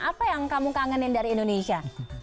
apa yang kamu kangenin dari indonesia